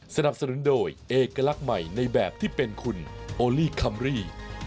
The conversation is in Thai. สนับสนุนโดยเอกลักษณ์ใหม่ในแบบที่เป็นคุณโอลี่คัมรี่